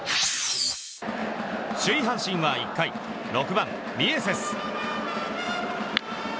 首位、阪神は１回６番、ミエセス。